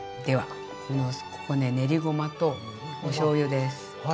ではここね練りごまとおしょうゆです。